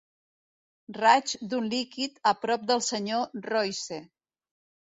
Raig d'un líquid a prop del senyor Royce.